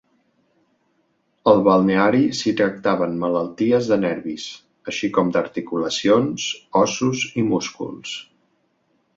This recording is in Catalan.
Al balneari s'hi tractaven malalties de nervis, així com d'articulacions, ossos i músculs.